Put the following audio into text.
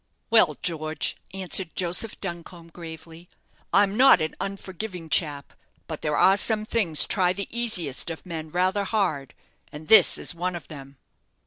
"Well, George," answered Joseph Duncombe, gravely, "I'm not an unforgiving chap; but there are some things try the easiest of men rather hard, and this is one of them.